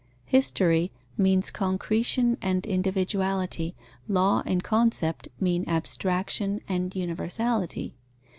History means concretion and individuality, law and concept mean abstraction and universality.